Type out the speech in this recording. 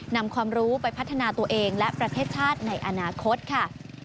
นำความรู้ไปพัฒนาตัวเองและประเทศชาติในอนาคตค่ะ